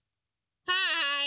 はい！